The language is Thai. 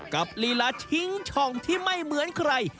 ลีลาชิงช่องที่ไม่เหมือนใคร